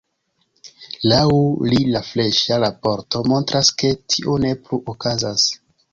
Laŭ li la freŝa raporto montras, ke tio ne plu okazas.